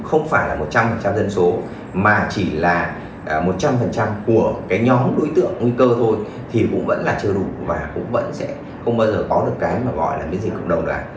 không phải là một trăm phần trăm dân số mà chỉ là một trăm phần trăm của cái nhóm đối tượng nguy cơ thôi thì cũng vẫn là chưa đủ và cũng vẫn sẽ không bao giờ có được cái mà gọi là miễn dịch cộng đồng đoàn